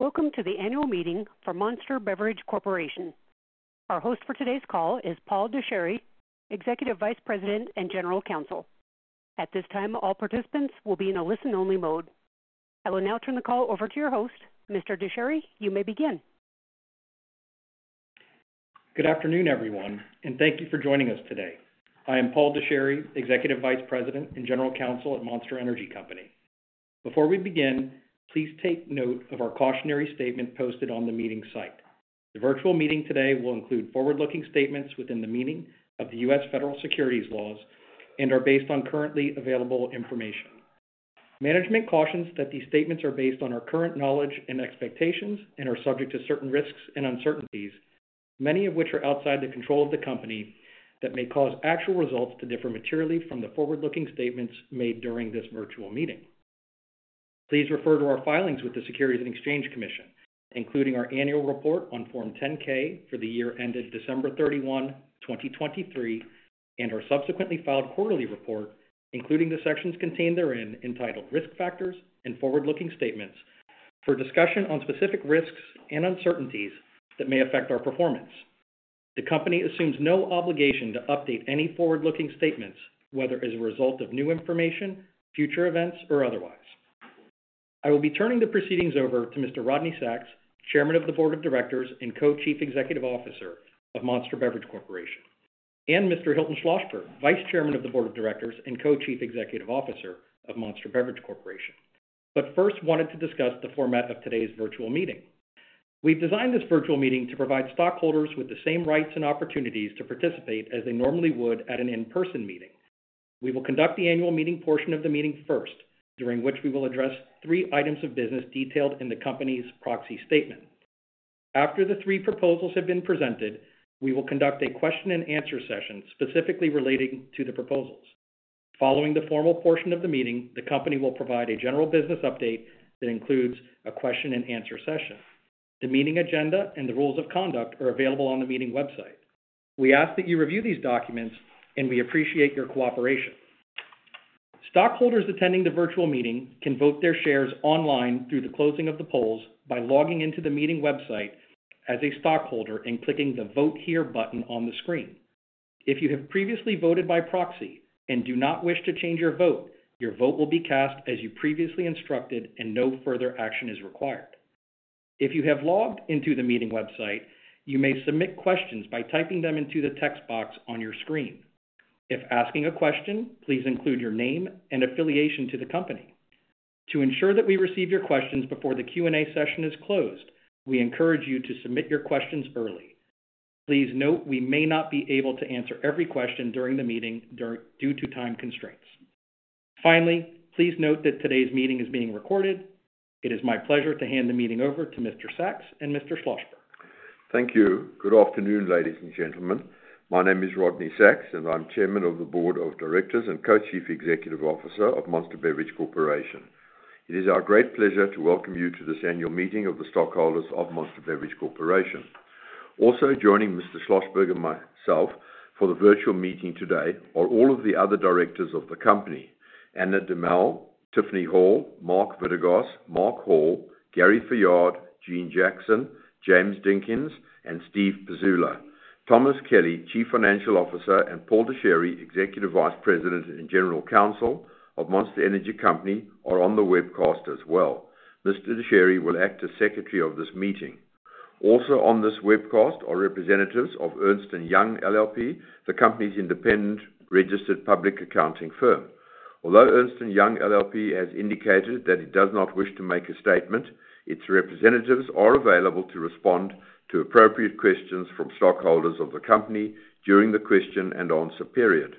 Welcome to the annual meeting for Monster Beverage Corporation. Our host for today's call is Paul Dechary, Executive Vice President and General Counsel. At this time, all participants will be in a listen-only mode. I will now turn the call over to your host. Mr. Dechary, you may begin. Good afternoon, everyone, and thank you for joining us today. I am Paul Dechary, Executive Vice President and General Counsel at Monster Energy Company. Before we begin, please take note of our cautionary statement posted on the meeting site. The virtual meeting today will include forward-looking statements within the meaning of the U.S. Federal securities laws and are based on currently available information. Management cautions that these statements are based on our current knowledge and expectations and are subject to certain risks and uncertainties, many of which are outside the control of the company, that may cause actual results to differ materially from the forward-looking statements made during this virtual meeting. Please refer to our filings with the Securities and Exchange Commission, including our annual report on Form 10-K for the year ended December 31, 2023, and our subsequently filed quarterly report, including the sections contained therein, entitled Risk Factors and Forward-Looking Statements, for discussion on specific risks and uncertainties that may affect our performance. The company assumes no obligation to update any forward-looking statements, whether as a result of new information, future events, or otherwise. I will be turning the proceedings over to Mr. Rodney Sacks, Chairman of the Board of Directors and Co-Chief Executive Officer of Monster Beverage Corporation, and Mr. Hilton Schlosberg, Vice Chairman of the Board of Directors and Co-Chief Executive Officer of Monster Beverage Corporation, but first wanted to discuss the format of today's virtual meeting. We've designed this virtual meeting to provide stockholders with the same rights and opportunities to participate as they normally would at an in-person meeting. We will conduct the annual meeting portion of the meeting first, during which we will address three items of business detailed in the company's proxy statement. After the three proposals have been presented, we will conduct a question and answer session specifically relating to the proposals. Following the formal portion of the meeting, the company will provide a general business update that includes a question and answer session. The meeting agenda and the rules of conduct are available on the meeting website. We ask that you review these documents, and we appreciate your cooperation. Stockholders attending the virtual meeting can vote their shares online through the closing of the polls by logging into the meeting website as a stockholder and clicking the Vote Here button on the screen. If you have previously voted by proxy and do not wish to change your vote, your vote will be cast as you previously instructed and no further action is required. If you have logged into the meeting website, you may submit questions by typing them into the text box on your screen. If asking a question, please include your name and affiliation to the company. To ensure that we receive your questions before the Q&A session is closed, we encourage you to submit your questions early. Please note we may not be able to answer every question during the meeting due to time constraints. Finally, please note that today's meeting is being recorded. It is my pleasure to hand the meeting over to Mr. Sacks and Mr. Schlosberg. Thank you. Good afternoon, ladies and gentlemen. My name is Rodney Sacks, and I'm Chairman of the Board of Directors and Co-Chief Executive Officer of Monster Beverage Corporation. It is our great pleasure to welcome you to this annual meeting of the stockholders of Monster Beverage Corporation. Also joining Mr. Schlosberg and myself for the virtual meeting today are all of the other directors of the company, Ana Demel, Tiffany Hall, Mark Vidergauz, Mark Hall, Gary Fayard, Jeanne Jackson, James Dinkins, and Steven Pizula. Thomas Kelly, Chief Financial Officer, and Paul Dechary, Executive Vice President and General Counsel of Monster Energy Company, are on the webcast as well. Mr. Dechary will act as secretary of this meeting. Also on this webcast are representatives of Ernst & Young, LLP, the company's independent registered public accounting firm. Although Ernst & Young LLP has indicated that it does not wish to make a statement, its representatives are available to respond to appropriate questions from stockholders of the company during the question and answer period.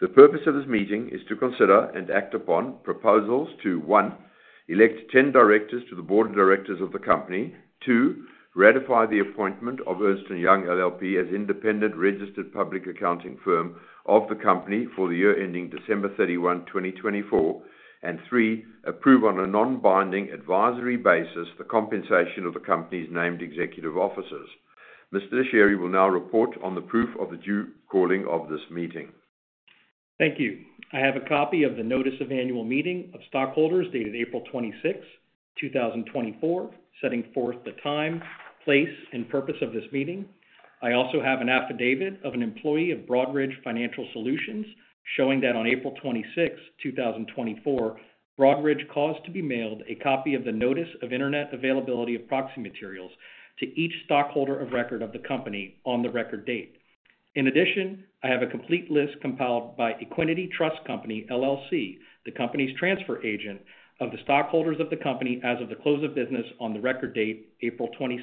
The purpose of this meeting is to consider and act upon proposals to, 1, elect 10 directors to the board of directors of the company. 2, ratify the appointment of Ernst & Young LLP as independent registered public accounting firm of the company for the year ending December 31, 2024. And 3, approve on a non-binding advisory basis, the compensation of the company's named executive officers. Mr. Dechary will now report on the proof of the due calling of this meeting. Thank you. I have a copy of the notice of annual meeting of stockholders dated April 26, 2024, setting forth the time, place, and purpose of this meeting. I also have an affidavit of an employee of Broadridge Financial Solutions showing that on April 26, 2024, Broadridge caused to be mailed a copy of the notice of internet availability of proxy materials to each stockholder of record of the company on the record date. In addition, I have a complete list compiled by Equiniti Trust Company, LLC, the company's transfer agent of the stockholders of the company as of the close of business on the record date, April 22,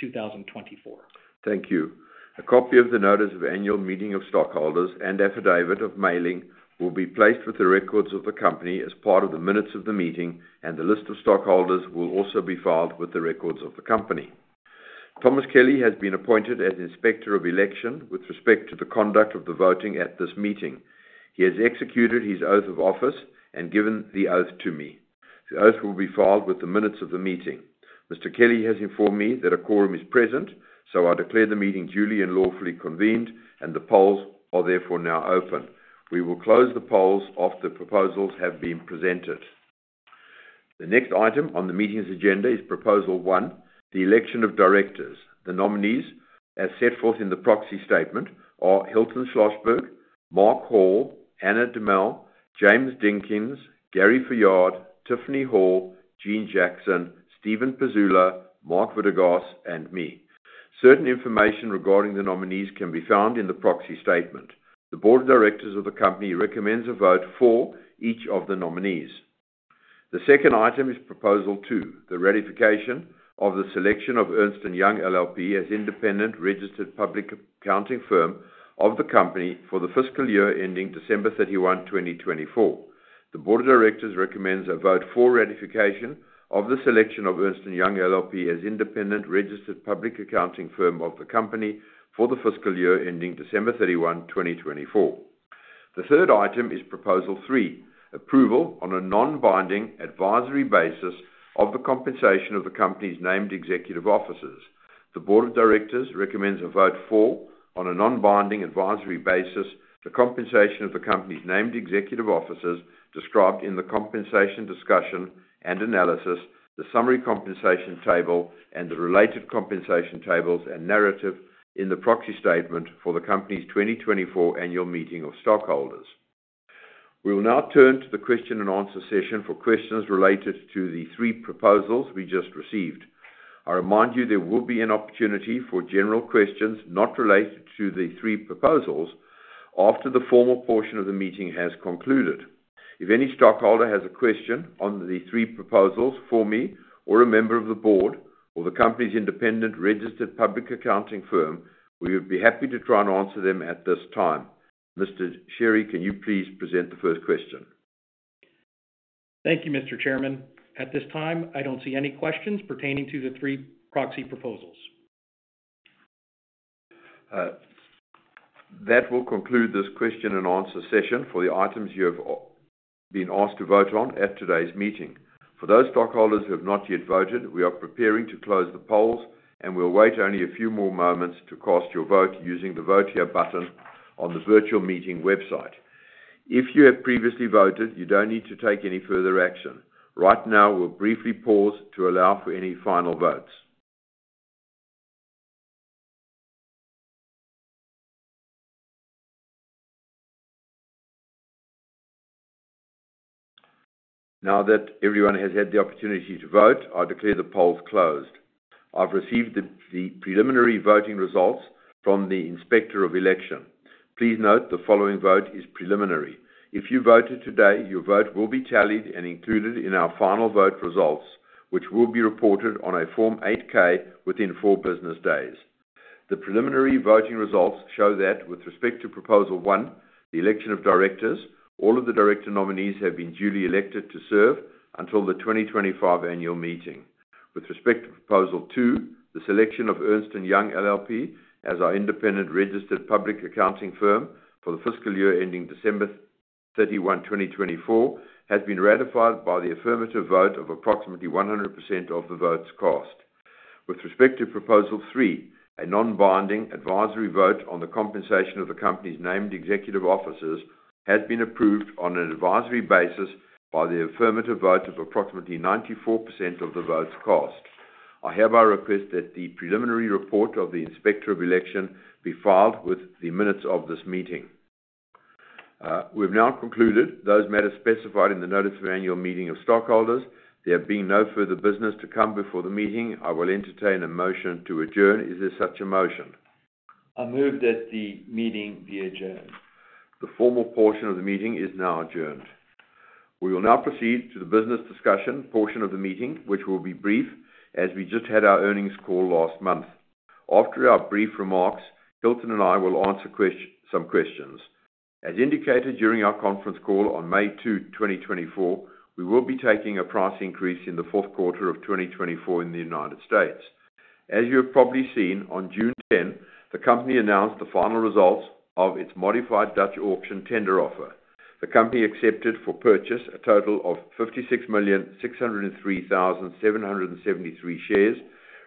2024. Thank you. A copy of the notice of annual meeting of stockholders and affidavit of mailing will be placed with the records of the company as part of the minutes of the meeting, and the list of stockholders will also be filed with the records of the company. Thomas Kelly has been appointed as Inspector of Election with respect to the conduct of the voting at this meeting. He has executed his oath of office and given the oath to me. The oath will be filed with the minutes of the meeting. Mr. Kelly has informed me that a quorum is present, so I declare the meeting duly and lawfully convened, and the polls are therefore now open. We will close the polls after the proposals have been presented.... The next item on the meeting's agenda is Proposal One: the election of directors. The nominees, as set forth in the proxy statement, are Hilton Schlosberg, Mark Hall, Ana Demel, James Dinkins, Gary Fayard, Tiffany Hall, Jeanne Jackson, Steven Pizula, Mark Vidergauz, and me. Certain information regarding the nominees can be found in the proxy statement. The board of directors of the company recommends a vote for each of the nominees. The second item is Proposal Two: the ratification of the selection of Ernst & Young LLP as independent registered public accounting firm of the company for the fiscal year ending December 31, 2024. The board of directors recommends a vote for ratification of the selection of Ernst & Young LLP as independent registered public accounting firm of the company for the fiscal year ending December 31, 2024. The third item is Proposal Three: approval on a non-binding advisory basis of the compensation of the company's named executive officers. The board of directors recommends a vote for, on a non-binding advisory basis, the compensation of the company's named executive officers, described in the compensation discussion and analysis, the summary compensation table, and the related compensation tables and narrative in the proxy statement for the company's 2024 annual meeting of stockholders. We will now turn to the question and answer session for questions related to the three proposals we just received. I remind you, there will be an opportunity for general questions not related to the three proposals after the formal portion of the meeting has concluded. If any stockholder has a question on the three proposals for me or a member of the board or the company's independent registered public accounting firm, we would be happy to try and answer them at this time. Mr. Dechary, can you please present the first question? Thank you, Mr. Chairman. At this time, I don't see any questions pertaining to the three proxy proposals. That will conclude this question and answer session for the items you have been asked to vote on at today's meeting. For those stockholders who have not yet voted, we are preparing to close the polls, and we'll wait only a few more moments to cast your vote using the Vote Here button on the virtual meeting website. If you have previously voted, you don't need to take any further action. Right now, we'll briefly pause to allow for any final votes. Now that everyone has had the opportunity to vote, I declare the polls closed. I've received the preliminary voting results from the Inspector of Election. Please note the following vote is preliminary. If you voted today, your vote will be tallied and included in our final vote results, which will be reported on a Form 8-K within four business days. The preliminary voting results show that with respect to Proposal One, the election of directors, all of the director nominees have been duly elected to serve until the 2025 annual meeting. With respect to Proposal Two, the selection of Ernst & Young LLP as our independent registered public accounting firm for the fiscal year ending December 31, 2024, has been ratified by the affirmative vote of approximately 100% of the votes cast. With respect to Proposal Three, a non-binding advisory vote on the compensation of the company's named executive officers, has been approved on an advisory basis by the affirmative vote of approximately 94% of the votes cast. I hereby request that the preliminary report of the Inspector of Election be filed with the minutes of this meeting. We've now concluded those matters specified in the notice of annual meeting of stockholders. There have been no further business to come before the meeting. I will entertain a motion to adjourn. Is there such a motion? I move that the meeting be adjourned. The formal portion of the meeting is now adjourned. We will now proceed to the business discussion portion of the meeting, which will be brief, as we just had our earnings call last month. After our brief remarks, Hilton and I will answer some questions. As indicated during our conference call on May 2, 2024, we will be taking a price increase in the fourth quarter of 2024 in the United States. As you have probably seen, on June 10, the company announced the final results of its modified Dutch auction tender offer. The company accepted for purchase a total of 56,603,773 shares,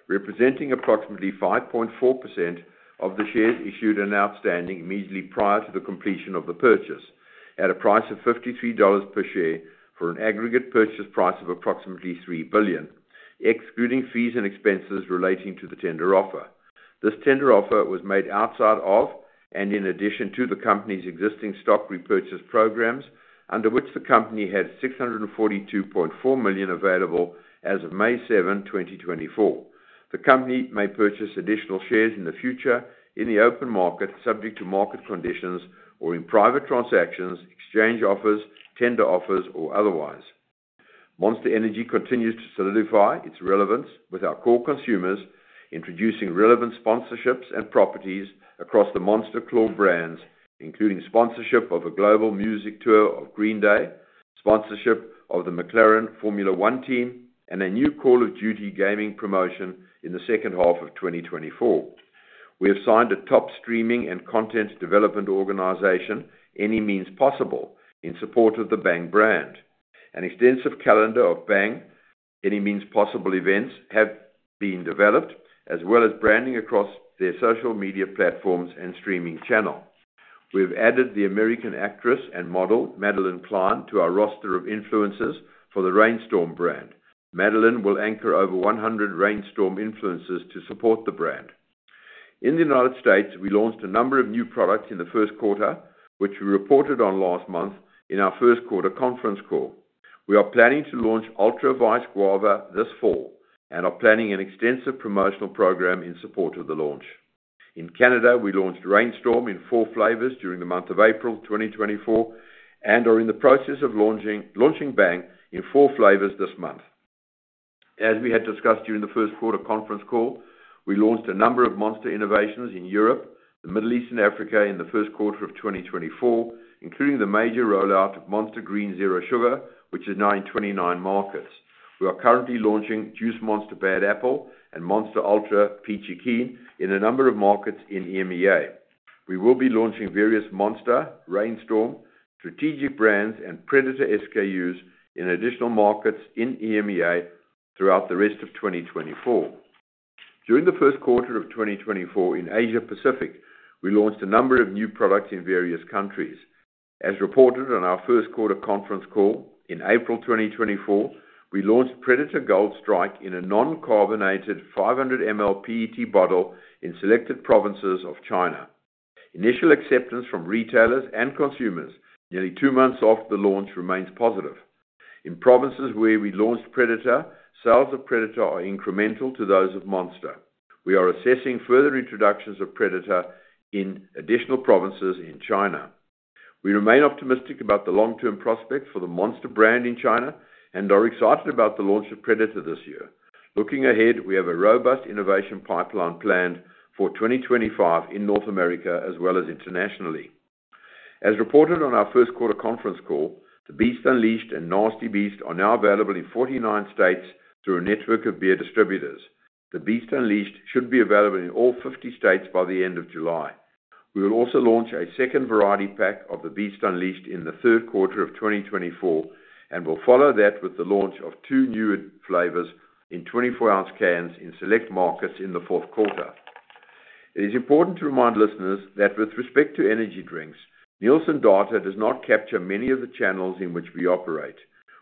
representing approximately 5.4% of the shares issued and outstanding immediately prior to the completion of the purchase, at a price of $53 per share for an aggregate purchase price of approximately $3 billion, excluding fees and expenses relating to the tender offer. This tender offer was made outside of and in addition to the company's existing stock repurchase programs, under which the company had $642.4 million available as of May 7, 2024. The company may purchase additional shares in the future in the open market, subject to market conditions or in private transactions, exchange offers, tender offers, or otherwise. Monster Energy continues to solidify its relevance with our core consumers, introducing relevant sponsorships and properties across the Monster claw brands, including sponsorship of a global music tour of Green Day, sponsorship of the McLaren Formula One team, and a new Call of Duty gaming promotion in the second half of 2024. We have signed a top streaming and content development organization, Any Means Possible, in support of the Bang brand. An extensive calendar of Bang, Any Means Possible events have been developed, as well as branding across their social media platforms and streaming channel. We have added the American actress and model, Madelyn Cline, to our roster of influencers for the Reign Storm brand. Madelyn will anchor over 100 Reign Storm influencers to support the brand. In the United States, we launched a number of new products in the first quarter, which we reported on last month in our first quarter conference call. We are planning to launch Monster Ultra Vice Guava this fall, and are planning an extensive promotional program in support of the launch. In Canada, we launched Reign Storm in four flavors during the month of April 2024, and are in the process of launching Bang in four flavors this month. As we had discussed during the first quarter conference call, we launched a number of Monster innovations in Europe, the Middle East, and Africa in the first quarter of 2024, including the major rollout of Monster Green Zero Sugar, which is now in 29 markets. We are currently launching Juice Monster Bad Apple and Monster Ultra Peachy Keen in a number of markets in EMEA. We will be launching various Monster, Reign Storm, strategic brands, and Predator SKUs in additional markets in EMEA throughout the rest of 2024. During the first quarter of 2024 in Asia Pacific, we launched a number of new products in various countries. As reported on our first quarter conference call, in April 2024, we launched Predator Gold Strike in a non-carbonated 500 mL PET bottle in selected provinces of China. Initial acceptance from retailers and consumers nearly 2 months after the launch remains positive. In provinces where we launched Predator, sales of Predator are incremental to those of Monster. We are assessing further introductions of Predator in additional provinces in China. We remain optimistic about the long-term prospects for the Monster brand in China, and are excited about the launch of Predator this year. Looking ahead, we have a robust innovation pipeline planned for 2025 in North America, as well as internationally. As reported on our first quarter conference call, The Beast Unleashed and Nasty Beast are now available in 49 states through a network of beer distributors. The Beast Unleashed should be available in all 50 states by the end of July. We will also launch a second variety pack of The Beast Unleashed in the third quarter of 2024, and we'll follow that with the launch of two new flavors in 24-ounce cans in select markets in the fourth quarter. It is important to remind listeners that with respect to energy drinks, Nielsen data does not capture many of the channels in which we operate.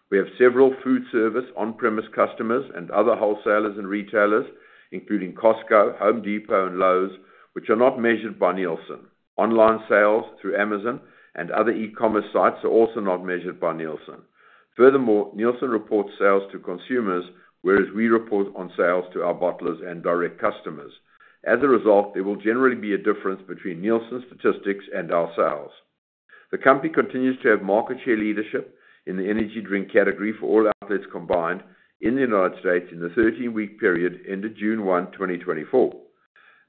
We have several food service, on-premise customers and other wholesalers and retailers, including Costco, Home Depot and Lowe's, which are not measured by Nielsen. Online sales through Amazon and other e-commerce sites are also not measured by Nielsen. Furthermore, Nielsen reports sales to consumers, whereas we report on sales to our bottlers and direct customers. As a result, there will generally be a difference between Nielsen's statistics and our sales. The company continues to have market share leadership in the energy drink category for all outlets combined in the United States in the 13-week period into June 1, 2024.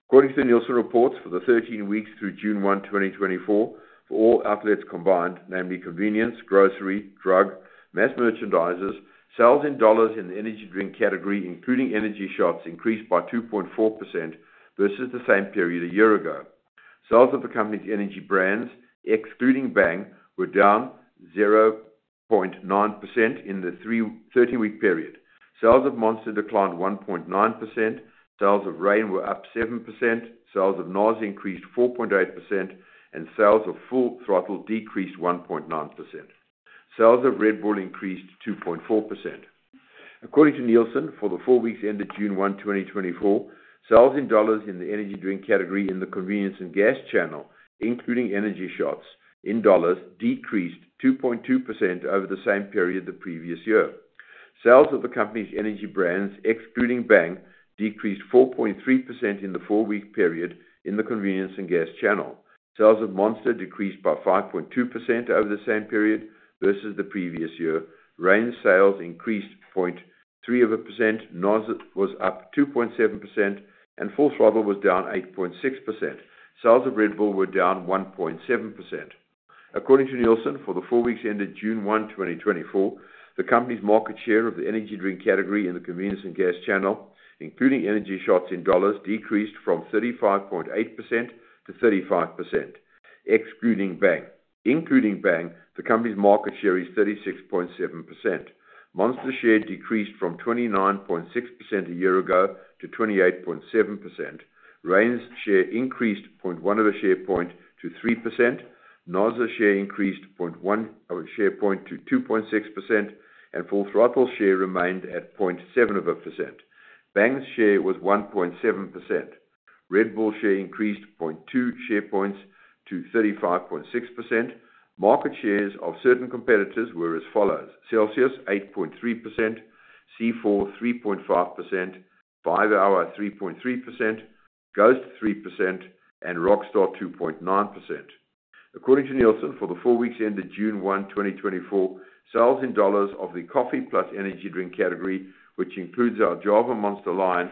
According to the Nielsen reports, for the 13 weeks through June 1, 2024, for all outlets combined, namely convenience, grocery, drug, mass merchandisers, sales in dollars in the energy drink category, including energy shots, increased by 2.4% versus the same period a year ago. Sales of the company's energy brands, excluding Bang, were down 0.9% in the 13-week period. Sales of Monster declined 1.9%, sales of Reign were up 7%, sales of NOS increased 4.8%, and sales of Full Throttle decreased 1.9%. Sales of Red Bull increased 2.4%. According to Nielsen, for the four weeks ended June 1, 2024, sales in dollars in the energy drink category in the Convenience and Gas channel, including energy shots in dollars, decreased 2.2% over the same period the previous year. Sales of the company's energy brands, excluding Bang, decreased 4.3% in the four-week period in the Convenience and Gas channel. Sales of Monster decreased by 5.2% over the same period versus the previous year. Reign sales increased 0.3%, NOS was up 2.7%, and Full Throttle was down 8.6%. Sales of Red Bull were down 1.7%. According to Nielsen, for the four weeks ended June 1, 2024, the company's market share of the energy drink category in the Convenience and Gas channel, including energy shots in dollars, decreased from 35.8% to 35%, excluding Bang. Including Bang, the company's market share is 36.7%. Monster share decreased from 29.6% a year ago to 28.7%. Reign's share increased 0.1 share point to 3%. NOS's share increased 0.1 share point to 2.6%, and Full Throttle share remained at 0.7%. Bang's share was 1.7%. Red Bull share increased 0.2 share points to 35.6%. Market shares of certain competitors were as follows: Celsius, 8.3%; C4, 3.5%; 5-hour ENERGY, 3.3%; Ghost, 3%; and Rockstar, 2.9%. According to Nielsen, for the 4 weeks ended June 1, 2024, sales in dollars of the coffee plus energy drink category, which includes our Java Monster line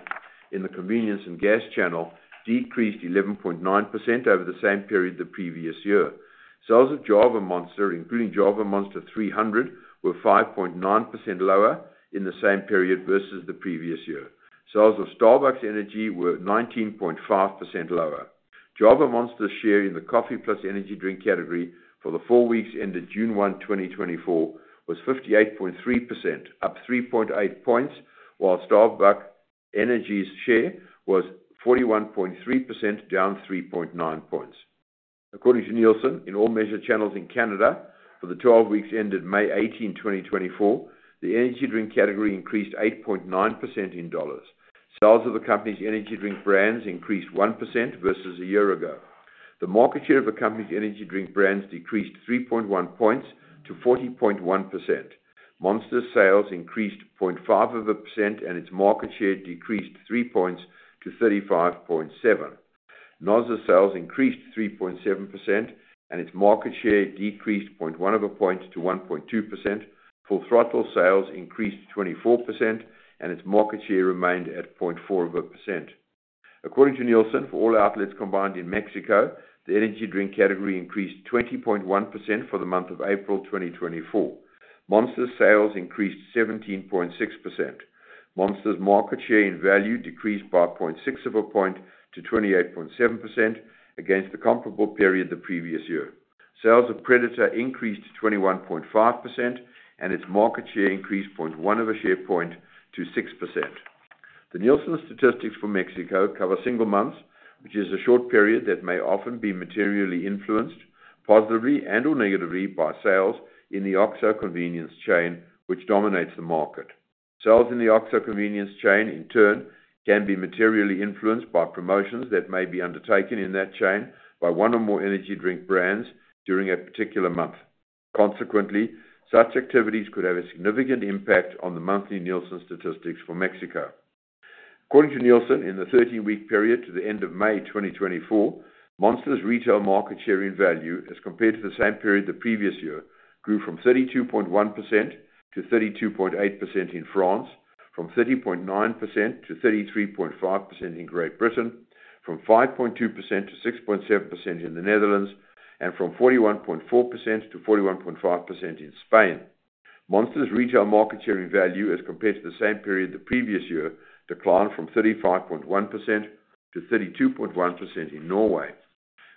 in the convenience and gas channel, decreased 11.9% over the same period the previous year. Sales of Java Monster, including Java Monster 300, were 5.9% lower in the same period versus the previous year. Sales of Starbucks Energy were 19.5% lower. Java Monster's share in the coffee plus energy drink category for the 4 weeks ended June 1, 2024, was 58.3%, up 3.8 points, while Starbucks-... Monster Energy's share was 41.3%, down 3.9 points. According to Nielsen, in all measured channels in Canada for the twelve weeks ended May 18, 2024, the energy drink category increased 8.9% in dollars. Sales of the company's energy drink brands increased 1% versus a year ago. The market share of the company's energy drink brands decreased 3.1 points to 40.1%. Monster sales increased 0.5%, and its market share decreased 3 points to 35.7%. NOS sales increased 3.7%, and its market share decreased 0.1 of a point to 1.2%. Full Throttle sales increased 24%, and its market share remained at 0.4 of a point. According to Nielsen, for all outlets combined in Mexico, the energy drink category increased 20.1% for the month of April 2024. Monster sales increased 17.6%. Monster's market share in value decreased by 0.6 of a point to 28.7% against the comparable period the previous year. Sales of Predator increased 21.5%, and its market share increased 0.1 of a share point to 6%. The Nielsen statistics for Mexico cover single months, which is a short period that may often be materially influenced, positively and/or negatively, by sales in the OXXO convenience chain, which dominates the market. Sales in the OXXO convenience chain, in turn, can be materially influenced by promotions that may be undertaken in that chain by one or more energy drink brands during a particular month. Consequently, such activities could have a significant impact on the monthly Nielsen statistics for Mexico. According to Nielsen, in the 13-week period to the end of May 2024, Monster's retail market share in value, as compared to the same period the previous year, grew from 32.1% to 32.8% in France, from 30.9% to 33.5% in Great Britain, from 5.2% to 6.7% in the Netherlands, and from 41.4% to 41.5% in Spain. Monster's retail market share in value, as compared to the same period the previous year, declined from 35.1% to 32.1% in Norway.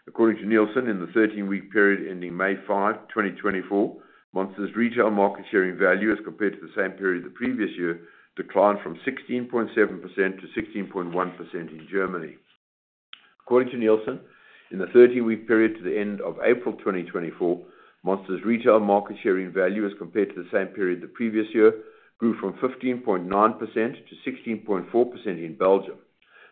According to Nielsen, in the 13-week period ending May 5, 2024, Monster's retail market share in value, as compared to the same period the previous year, declined from 16.7% to 16.1% in Germany. According to Nielsen, in the 13-week period to the end of April 2024, Monster's retail market share in value, as compared to the same period the previous year, grew from 15.9% to 16.4% in Belgium.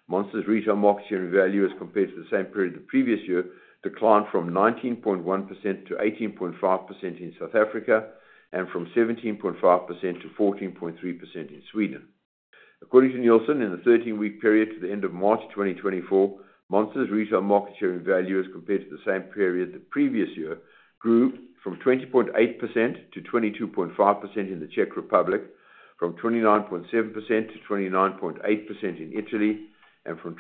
Monster's retail market share in value, as compared to the same period the previous year, declined from 19.1% to 18.5% in South Africa, and from 17.5% to 14.3% in Sweden. According to Nielsen, in the 13-week period to the end of March 2024, Monster's retail market share in value, as compared to the same period the previous year, grew from 20.8% to 22.5% in the Czech Republic, from 29.7% to 29.8% in Italy, and from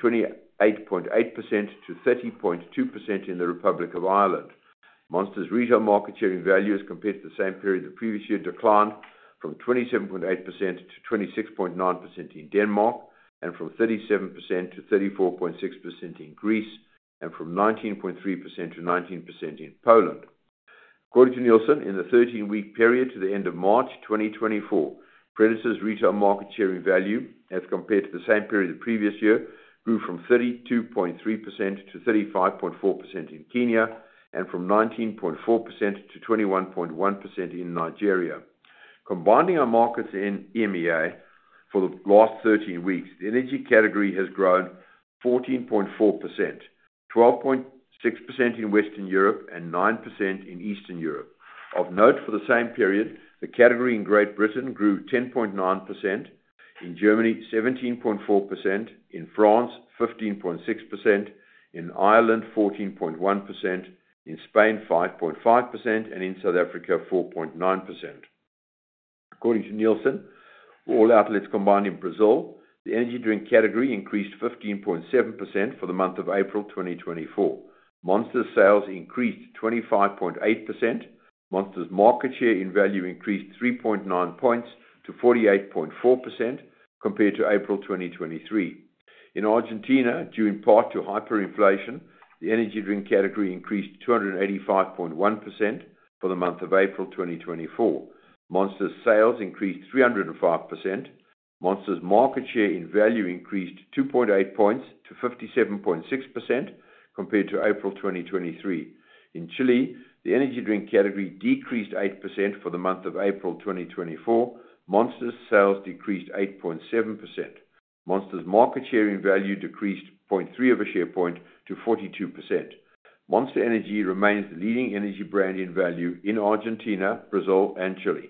28.8% to 30.2% in the Republic of Ireland. Monster's retail market share in value, as compared to the same period the previous year, declined from 27.8% to 26.9% in Denmark, and from 37% to 34.6% in Greece, and from 19.3% to 19% in Poland. According to Nielsen, in the 13-week period to the end of March 2024, Predator's retail market share in value, as compared to the same period the previous year, grew from 32.3% to 35.4% in Kenya and from 19.4% to 21.1% in Nigeria. Combining our markets in EMEA for the last 13 weeks, the energy category has grown 14.4%, 12.6% in Western Europe, and 9% in Eastern Europe. Of note, for the same period, the category in Great Britain grew 10.9%, in Germany, 17.4%, in France, 15.6%, in Ireland, 14.1%, in Spain, 5.5%, and in South Africa, 4.9%. According to Nielsen, all outlets combined in Brazil, the energy drink category increased 15.7% for the month of April 2024. Monster sales increased 25.8%. Monster's market share in value increased 3.9 points to 48.4% compared to April 2023. In Argentina, due in part to hyperinflation, the energy drink category increased 285.1% for the month of April 2024. Monster's sales increased 305%. Monster's market share in value increased 2.8 points to 57.6%, compared to April 2023. In Chile, the energy drink category decreased 8% for the month of April 2024. Monster's sales decreased 8.7%. Monster's market share in value decreased 0.3 of a share point to 42%. Monster Energy remains the leading energy brand in value in Argentina, Brazil, and Chile.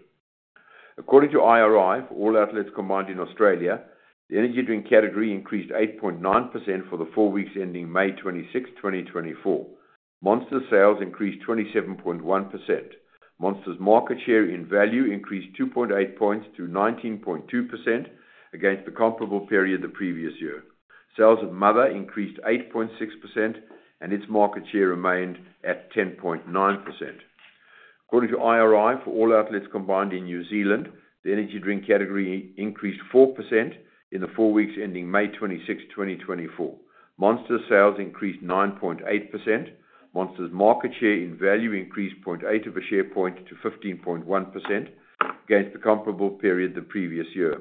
According to IRI, for all outlets combined in Australia, the energy drink category increased 8.9% for the four weeks ending May 26, 2024. Monster sales increased 27.1%. Monster's market share in value increased 2.8 points to 19.2% against the comparable period the previous year. Sales of Mother increased 8.6%, and its market share remained at 10.9%. According to IRI, for all outlets combined in New Zealand, the energy drink category increased 4% in the four weeks ending May 26, 2024. Monster sales increased 9.8%.... Monster's market share in value increased 0.8 of a share point to 15.1%, against the comparable period the previous year.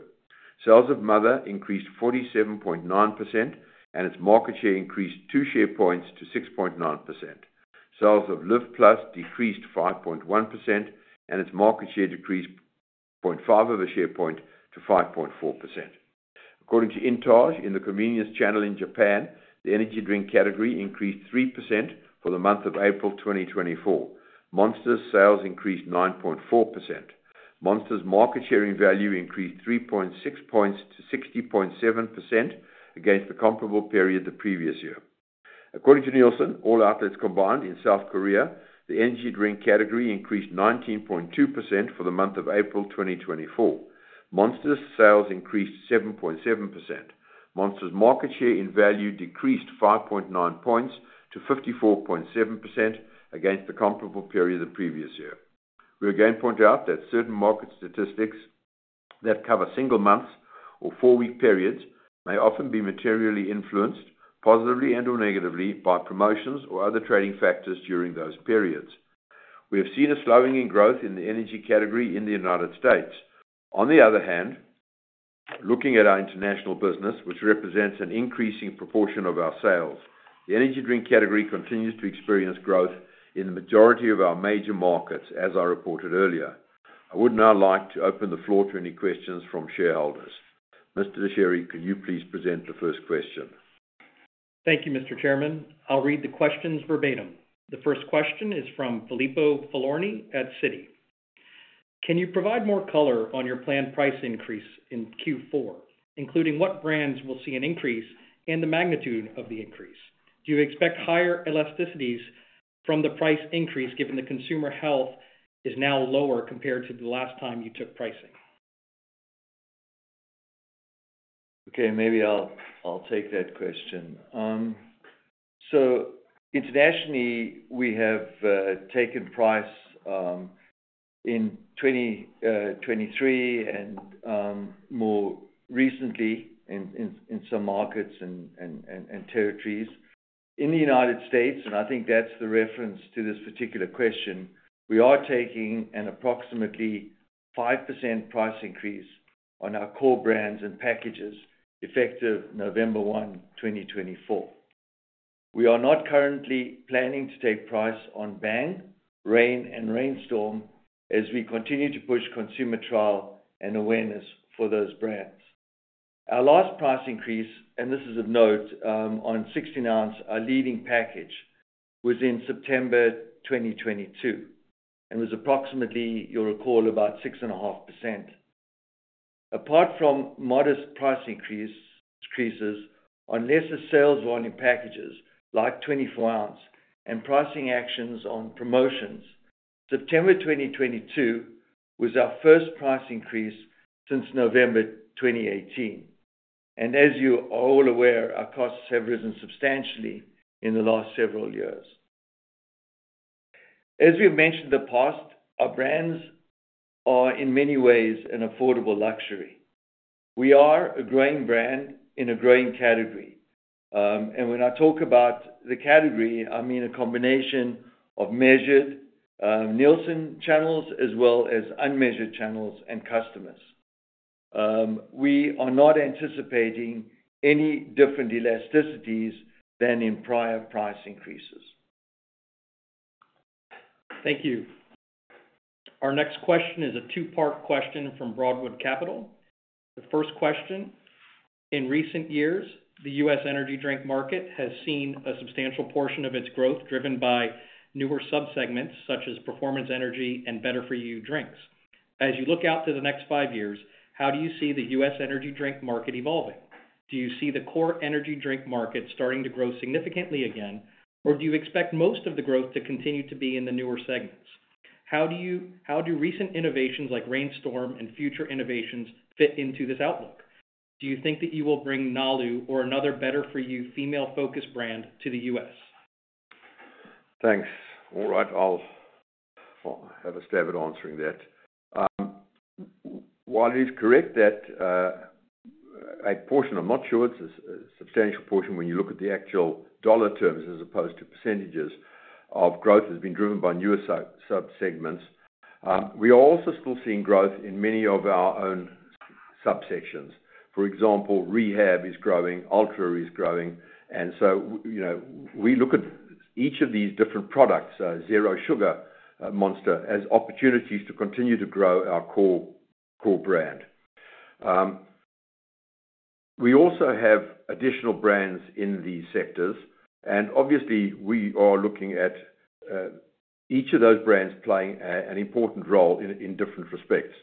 Sales of Mother increased 47.9%, and its market share increased 2 share points to 6.9%. Sales of Live+ decreased 5.1%, and its market share decreased 0.5 of a share point to 5.4%. According to INTAGE, in the convenience channel in Japan, the energy drink category increased 3% for the month of April 2024. Monster's sales increased 9.4%. Monster's market share in value increased 3.6 points to 60.7% against the comparable period the previous year. According to Nielsen, all outlets combined in South Korea, the energy drink category increased 19.2% for the month of April 2024. Monster's sales increased 7.7%. Monster's market share in value decreased 5.9 points to 54.7% against the comparable period the previous year. We again point out that certain market statistics that cover single months or 4-week periods may often be materially influenced, positively and/or negatively, by promotions or other trading factors during those periods. We have seen a slowing in growth in the energy category in the United States. On the other hand, looking at our international business, which represents an increasing proportion of our sales, the energy drink category continues to experience growth in the majority of our major markets, as I reported earlier. I would now like to open the floor to any questions from shareholders. Mr. Dechary, can you please present the first question? Thank you, Mr. Chairman. I'll read the questions verbatim. The first question is from Filippo Falorni at Citi. Can you provide more color on your planned price increase in Q4, including what brands will see an increase and the magnitude of the increase? Do you expect higher elasticities from the price increase, given the consumer health is now lower compared to the last time you took pricing? Okay, maybe I'll take that question. So internationally, we have taken price in 2023 and more recently in some markets and territories. In the United States, and I think that's the reference to this particular question, we are taking an approximately 5% price increase on our core brands and packages, effective November 1, 2024. We are not currently planning to take price on Bang, Reign, and Reign Storm as we continue to push consumer trial and awareness for those brands. Our last price increase, and this is of note, on 16-ounce, our leading package, was in September 2022, and was approximately, you'll recall, about 6.5%. Apart from modest price increase- increases on lesser sales volume packages, like 24-ounce, and pricing actions on promotions, September 2022 was our first price increase since November 2018. As you are all aware, our costs have risen substantially in the last several years. As we've mentioned in the past, our brands are, in many ways, an affordable luxury. We are a growing brand in a growing category. And when I talk about the category, I mean a combination of measured Nielsen channels, as well as unmeasured channels and customers. We are not anticipating any different elasticities than in prior price increases. Thank you. Our next question is a two-part question from Broadwood Capital. The first question: in recent years, the U.S. energy drink market has seen a substantial portion of its growth driven by newer subsegments, such as performance energy and better-for-you drinks. As you look out to the next five years, how do you see the U.S. energy drink market evolving? Do you see the core energy drink market starting to grow significantly again, or do you expect most of the growth to continue to be in the newer segments? How do recent innovations like Reign Storm and future innovations fit into this outlook? Do you think that you will bring Nalu or another better-for-you female-focused brand to the U.S.? Thanks. All right, I'll have a stab at answering that. While it is correct that a portion, I'm not sure it's a substantial portion, when you look at the actual dollar terms as opposed to percentages of growth, has been driven by newer subsegments. We are also still seeing growth in many of our own subsections. For example, Reign is growing, Ultra is growing. And so, you know, we look at each of these different products, zero sugar, Monster, as opportunities to continue to grow our core brand. We also have additional brands in these sectors, and obviously, we are looking at each of those brands playing an important role in different respects.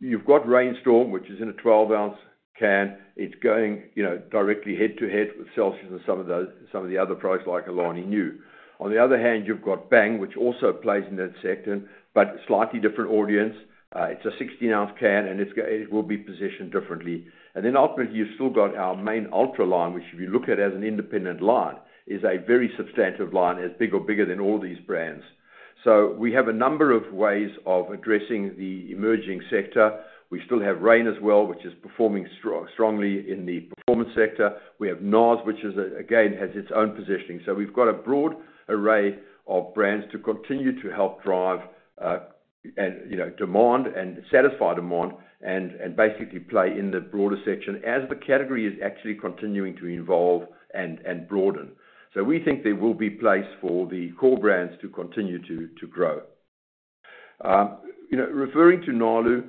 You've got Reign Storm, which is in a 12-ounce can. It's going, you know, directly head-to-head with Celsius and some of those—some of the other products like Alani Nu. On the other hand, you've got Bang, which also plays in that sector, but slightly different audience. It's a 16-ounce can, and it will be positioned differently. And then ultimately, you've still got our main Ultra line, which, if you look at as an independent line, is a very substantive line, as big or bigger than all these brands.... So we have a number of ways of addressing the emerging sector. We still have Reign as well, which is performing strongly in the performance sector. We have NOS, which is, again, has its own positioning. So we've got a broad array of brands to continue to help drive, and, you know, demand and satisfy demand, and basically play in the broader section as the category is actually continuing to evolve and broaden. So we think there will be place for the core brands to continue to grow. You know, referring to Nalu,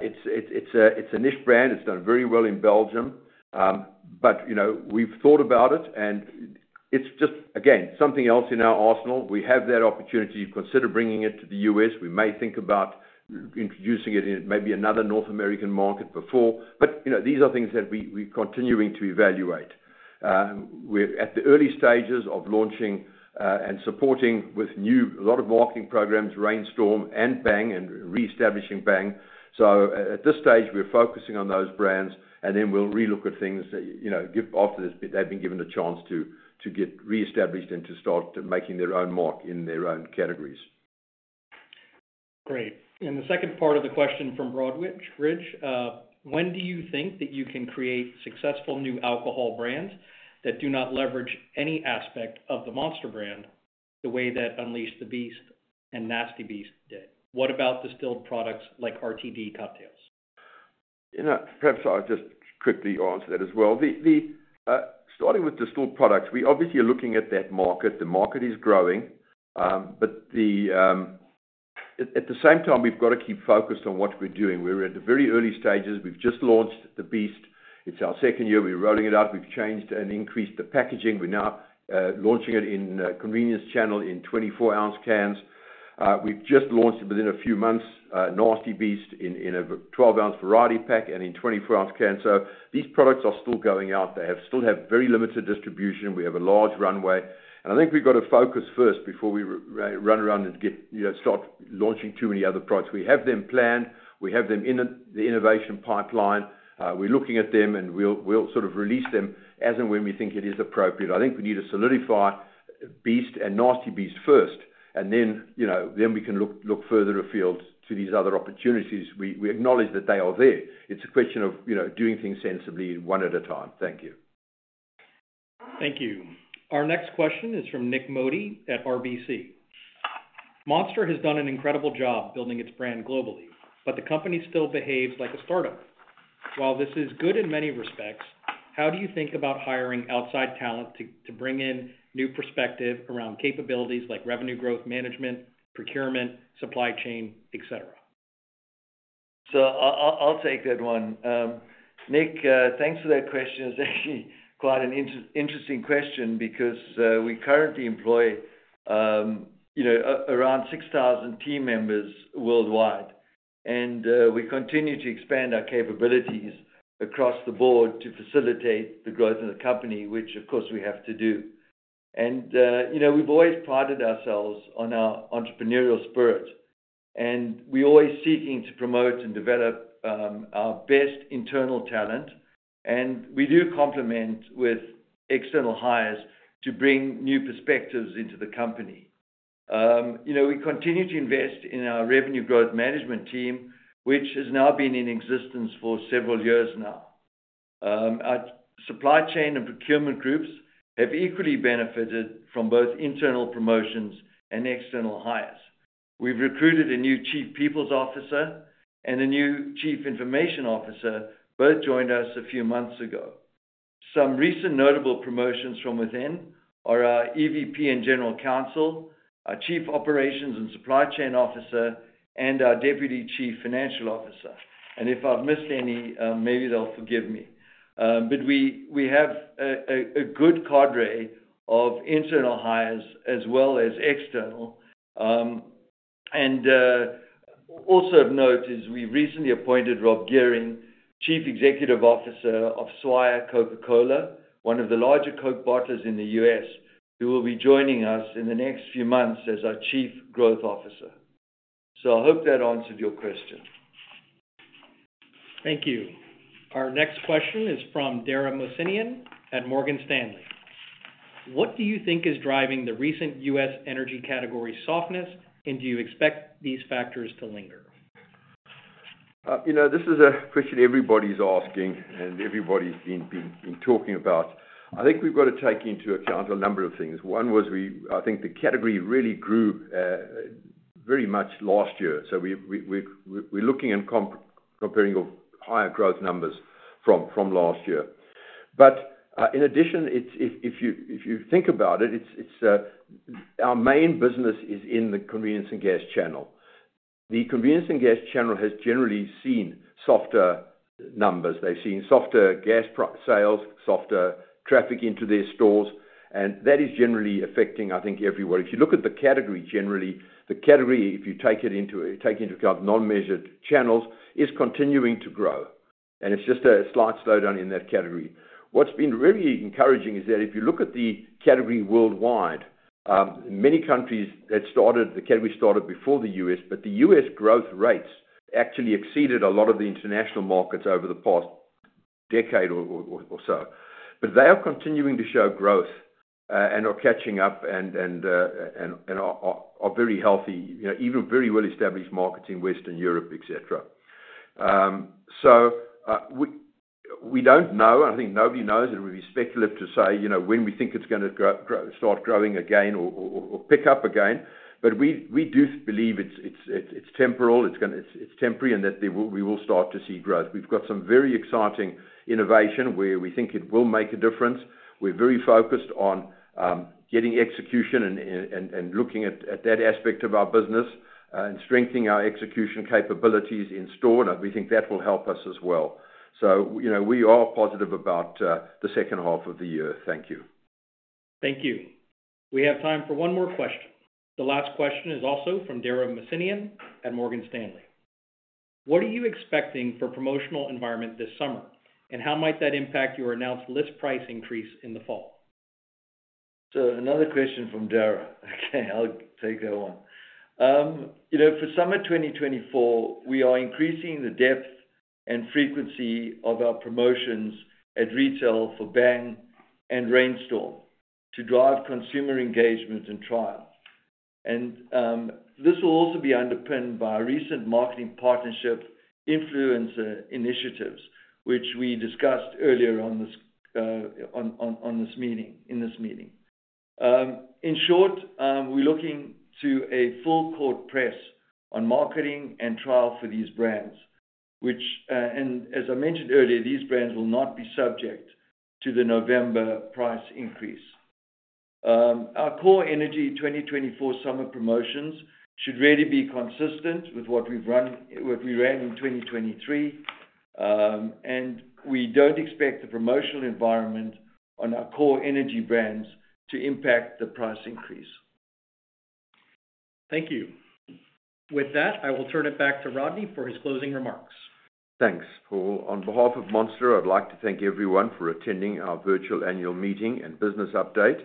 it's a niche brand. It's done very well in Belgium. But, you know, we've thought about it, and it's just, again, something else in our arsenal. We have that opportunity to consider bringing it to the U.S. We may think about introducing it in maybe another North American market before, but, you know, these are things that we're continuing to evaluate. We're at the early stages of launching and supporting with new... a lot of marketing programs, Reign Storm and Bang, and reestablishing Bang. So at this stage, we're focusing on those brands, and then we'll relook at things, you know, after they've been given a chance to get reestablished and to start making their own mark in their own categories. Great. And the second part of the question from Broadwood Capital, when do you think that you can create successful new alcohol brands that do not leverage any aspect of the Monster brand, the way that The Beast Unleashed and Nasty Beast did? What about distilled products like RTD cocktails? You know, perhaps I'll just quickly answer that as well. Starting with distilled products, we obviously are looking at that market. The market is growing, but the... At the same time, we've got to keep focused on what we're doing. We're at the very early stages. We've just launched The Beast. It's our second year. We're rolling it out. We've changed and increased the packaging. We're now launching it in convenience channel in 24-ounce cans. We've just launched it within a few months, Nasty Beast in a 12-ounce variety pack and in 24-ounce can. So these products are still going out. They still have very limited distribution. We have a large runway, and I think we've got to focus first before we run around and get, you know, start launching too many other products. We have them planned, we have them in the innovation pipeline. We're looking at them, and we'll, we'll sort of release them as and when we think it is appropriate. I think we need to solidify Beast and Nasty Beast first, and then, you know, then we can look, look further afield to these other opportunities. We, we acknowledge that they are there. It's a question of, you know, doing things sensibly one at a time. Thank you. Thank you. Our next question is from Nick Modi at RBC. Monster has done an incredible job building its brand globally, but the company still behaves like a startup. While this is good in many respects, how do you think about hiring outside talent to bring in new perspective around capabilities like revenue growth management, procurement, supply chain, et cetera? So I'll take that one. Nick, thanks for that question. It's actually quite an interesting question because we currently employ, you know, around 6,000 team members worldwide. And we continue to expand our capabilities across the board to facilitate the growth of the company, which of course, we have to do. And you know, we've always prided ourselves on our entrepreneurial spirit, and we're always seeking to promote and develop our best internal talent, and we do complement with external hires to bring new perspectives into the company. You know, we continue to invest in our Revenue Growth Management team, which has now been in existence for several years now. Our supply chain and procurement groups have equally benefited from both internal promotions and external hires. We've recruited a new Chief People's Officer and a new Chief Information Officer, both joined us a few months ago. Some recent notable promotions from within are our EVP and General Counsel, our Chief Operations and Supply Chain Officer, and our Deputy Chief Financial Officer. If I've missed any, maybe they'll forgive me. But we have a good cadre of internal hires as well as external. Also of note is we recently appointed Rob Gehring, Chief Executive Officer of Swire Coca-Cola, one of the larger Coke bottlers in the U.S., who will be joining us in the next few months as our Chief Growth Officer. I hope that answered your question. Thank you. Our next question is from Dara Mohsenian at Morgan Stanley. What do you think is driving the recent U.S. energy category softness, and do you expect these factors to linger? You know, this is a question everybody's asking and everybody's been talking about. I think we've got to take into account a number of things. One was, I think the category really grew very much last year, so we're looking and comparing to higher growth numbers from last year. But in addition, it's... If you think about it, it's our main business is in the Convenience and Gas channel. The Convenience and Gas channel has generally seen softer numbers. They've seen softer gas sales, softer traffic into their stores, and that is generally affecting, I think, everywhere. If you look at the category, generally, the category, if you take into account non-measured channels, is continuing to grow, and it's just a slight slowdown in that category. What's been really encouraging is that if you look at the category worldwide, many countries that the category started before the US, but the US growth rates actually exceeded a lot of the international markets over the past decade or so. But they are continuing to show growth, and are catching up and are very healthy, you know, even very well-established markets in Western Europe, et cetera. So we don't know, I think nobody knows. It would be speculative to say, you know, when we think it's gonna grow, start growing again or pick up again. But we do believe it's temporary, and that we will start to see growth. We've got some very exciting innovation where we think it will make a difference. We're very focused on getting execution and looking at that aspect of our business, and strengthening our execution capabilities in store, and we think that will help us as well. So, you know, we are positive about the second half of the year. Thank you. Thank you. We have time for one more question. The last question is also from Dara Mohsenian at Morgan Stanley. What are you expecting for promotional environment this summer, and how might that impact your announced list price increase in the fall? So another question from Dara. Okay, I'll take that one. You know, for summer 2024, we are increasing the depth and frequency of our promotions at retail for Bang and Reign Storm to drive consumer engagement and trial. And, this will also be underpinned by our recent marketing partnership influencer initiatives, which we discussed earlier in this meeting. In short, we're looking to a full court press on marketing and trial for these brands, which, and as I mentioned earlier, these brands will not be subject to the November price increase. Our core energy 2024 summer promotions should really be consistent with what we've run, what we ran in 2023. We don't expect the promotional environment on our core energy brands to impact the price increase. Thank you. With that, I will turn it back to Rodney for his closing remarks. Thanks, Paul. On behalf of Monster, I'd like to thank everyone for attending our virtual annual meeting and business update,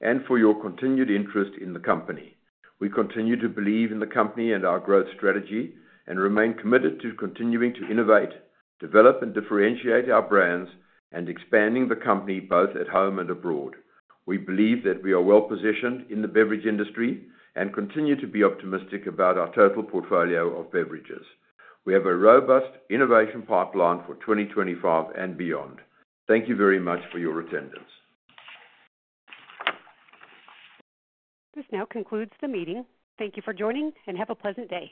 and for your continued interest in the company. We continue to believe in the company and our growth strategy, and remain committed to continuing to innovate, develop, and differentiate our brands, and expanding the company both at home and abroad. We believe that we are well-positioned in the beverage industry, and continue to be optimistic about our total portfolio of beverages. We have a robust innovation pipeline for 2025 and beyond. Thank you very much for your attendance. This now concludes the meeting. Thank you for joining, and have a pleasant day.